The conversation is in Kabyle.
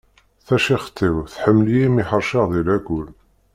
Tacixet-iw tḥemmel-iyi imi ḥerceɣ di lakul.